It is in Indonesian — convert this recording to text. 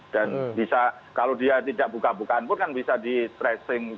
dan bisa kalau dia tidak buka bukaan pun kan bisa di tracing